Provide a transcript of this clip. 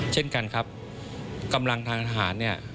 เช่นกันครับกำลังทางทหารเนี่ย